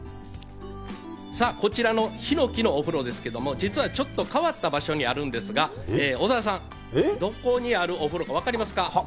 こちらのひのきのお風呂ですけど、実は、ちょっと変わった場所にあるんですけど、小澤さん、どこにあるお風呂かわかりますか？